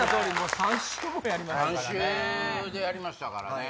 ３週でやりましたからね。